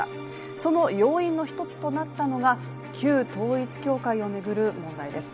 その要因の１つとなったのが旧統一教会を巡る問題です。